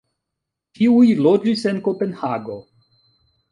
Ĉiuj loĝis en Kopenhago.